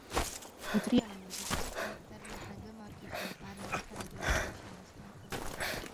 A trianoni diktátumig területe Gömör-Kishont vármegye Feledi járásához tartozott.